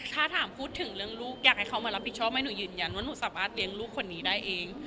ถ้าถามพูดถึงเรื่องลูกอยากให้เขามารับผิดชอบไหมหนูยืนยันว่าหนูสามารถเลี้ยงลูกคนนี้ได้เอง